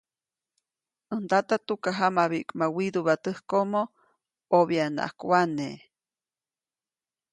‒ʼäj ndata tukajamabiʼkma widuʼpa täjkomo, obyaʼnaʼajk wane-.